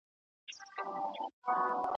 دوی د هېواد راتلونکی جوړوي.